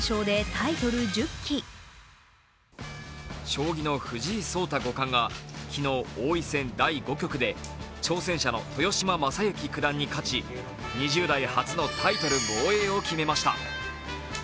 将棋の藤井聡太五冠が昨日、昨日王位戦第５局で挑戦者の豊島将之九段に勝ち、２０代初のタイトル防衛を決めました。